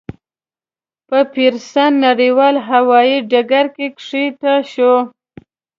په پېرسن نړیوال هوایي ډګر کې کښته شوه.